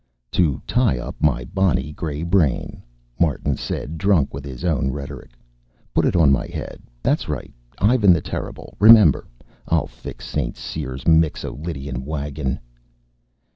"To tie up my bonny grey brain," Martin said, drunk with his own rhetoric. "Put it on my head. That's right. Ivan the Terrible, remember. I'll fix St. Cyr's Mixo Lydian wagon."